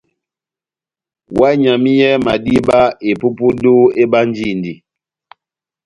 Ohányamiyɛhɛ madíba, epupudu ebánjindi.